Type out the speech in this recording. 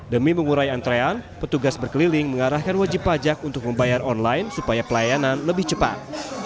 demi mengurai antrean petugas berkeliling mengarahkan wajib pajak untuk membayar online supaya pelayanan lebih cepat